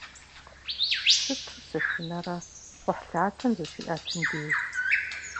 Сыту сышынэрэ кхъухьлъатэм зыщиӏэтым деж!